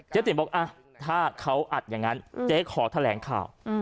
ติ๋มบอกถ้าเขาอัดอย่างนั้นเจ๊ขอแถลงข่าว